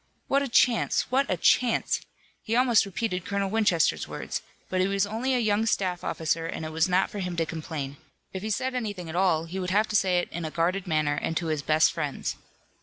What a chance! What a chance! He almost repeated Colonel Winchester's words, but he was only a young staff officer and it was not for him to complain. If he said anything at all he would have to say it in a guarded manner and to his best friends.